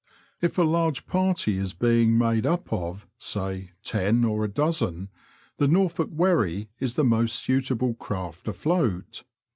If a large party is being made up of, say, ten or a dozen, the Norfolk wherry is the most suitable craft afloat.